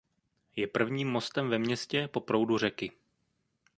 Je prvním mostem ve městě po proudu řeky.